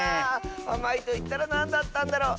あまいといったらなんだったんだろう。